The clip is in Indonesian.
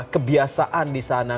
kebiasaan di sana